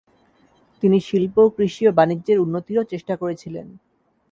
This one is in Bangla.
তিনি শিল্প, কৃষি ও বাণিজ্যের উন্নতিরও চেষ্টা করেছিলেন।